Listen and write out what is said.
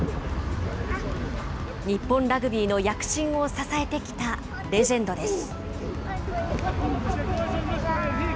日本ラグビーの躍進を支えてきたレジェンドです。